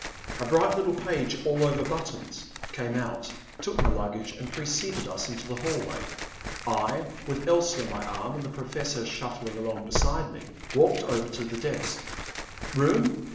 A bright little page, all over buttons, came out, took my luggage, and preceded us into the hallway. I, with Elsie on my arm and the Professor shuffling along beside me, walked over to the desk. "Room?